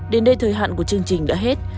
đến đây thời hạn của chương trình đã hết